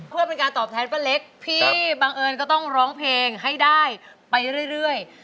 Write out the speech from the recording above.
เพื่อเป็นการตอบแทนป้าเล็กพี่บังเอิญก็ต้องร้องเพลงให้ได้ไปเรื่อย